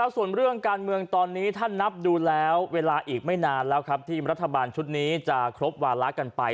ส่วนเรื่องการเมืองตอนนี้ถ้านับดูแล้วเวลาอีกไม่นานแล้วครับที่รัฐบาลชุดนี้จะครบวาระกันไป